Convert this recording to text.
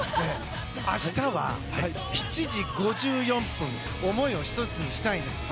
明日は、７時５４分思いを１つにしたいんですよ。